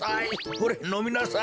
ほれのみなさい！